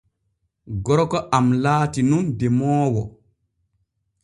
Gorko am laati nun demoowo.